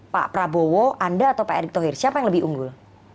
pak prabowo anda atau pak erick thohir siapa yang lebih unggul